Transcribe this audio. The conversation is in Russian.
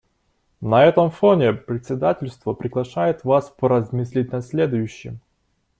На этом фоне председательство приглашает вас поразмыслить над следующим.